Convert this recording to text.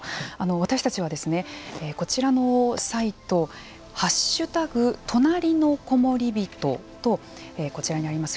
私たちは、こちらのサイト「＃となりのこもりびと」とこちらにあります